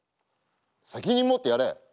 責任持ってやれ！